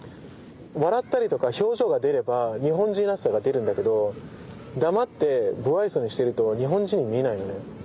笑ったりとか表情が出れば日本人らしさが出るんだけど黙って無愛想にしてると日本人に見えないのね。